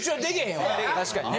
確かにね。